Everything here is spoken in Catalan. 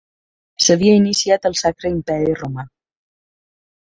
S'havia iniciat el Sacre Imperi romà.